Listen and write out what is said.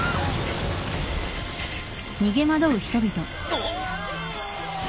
あっ！